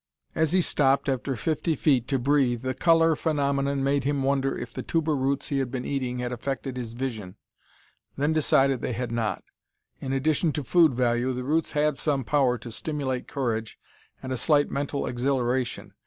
As he stopped after fifty feet to breathe, the color phenomenon made him wonder if the tuber roots he had been eating had affected his vision; then decided they had not. In addition to food value, the roots had some power to stimulate courage and a slight mental exhilaration.